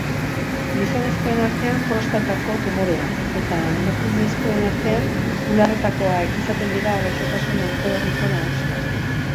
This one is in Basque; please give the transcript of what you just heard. Gizonezkoen artean prostatako tumorea eta emakumezkoen artean bularretakoa izaten dira gaixotasun onkologiko nagusiak.